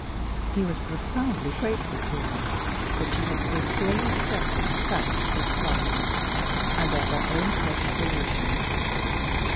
He was profoundly grateful to her that she had so clearly accepted the facts of his past, and of their own present relations.